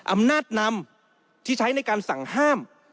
อำนาจนำที่ใช้ในการสั่งห้าม